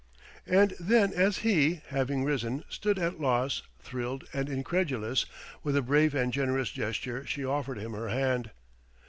And then as he, having risen, stood at loss, thrilled, and incredulous, with a brave and generous gesture she offered him her hand.